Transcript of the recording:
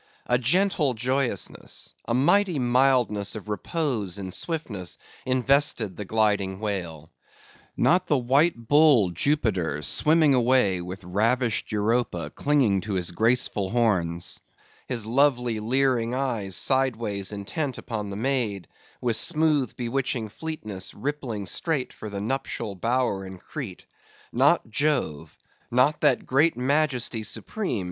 A gentle joyousness—a mighty mildness of repose in swiftness, invested the gliding whale. Not the white bull Jupiter swimming away with ravished Europa clinging to his graceful horns; his lovely, leering eyes sideways intent upon the maid; with smooth bewitching fleetness, rippling straight for the nuptial bower in Crete; not Jove, not that great majesty Supreme!